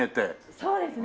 そうですね。